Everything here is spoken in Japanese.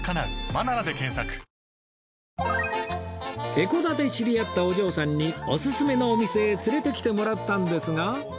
江古田で知り合ったお嬢さんにオススメのお店へ連れてきてもらったんですが